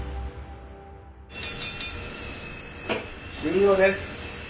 ・終了です！